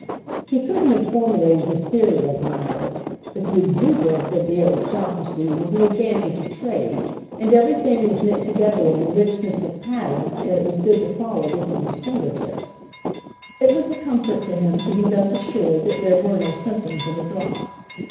He couldn't have formulated his theory of the matter, but the exuberance of the aristocracy was the advantage of trade, and everything was knit together in a richness of pattern that it was good to follow with one's finger tips. It was a comfort to him to be thus assured that there were no symptoms of a drop.